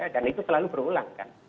dan itu selalu berulang kan